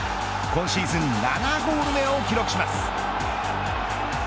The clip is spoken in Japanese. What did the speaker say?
今シーズン７ゴール目を記録します。